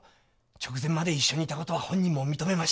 直前まで一緒にいた事は本人も認めました。